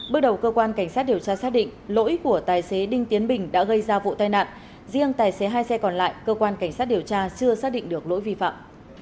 bước đầu cơ quan cảnh sát điều tra xác định lỗi của tài xế đinh tiến bình đã gây ra vụ tai nạn riêng tài xế hai xe còn lại cơ quan cảnh sát điều tra chưa xác định được lỗi vi phạm